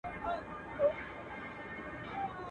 بد باڼجڼ افت نه وهي.